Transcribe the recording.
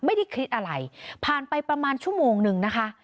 ไม่ได้คิดอะไรผ่านไปประมาณชั่วโมงนึงนะคะ